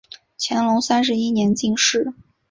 乾隆三十一年进士。